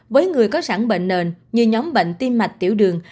với người có sẵn bệnh nền như nhóm bệnh tim mạch tiểu đường